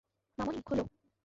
মামুনি, খোলো।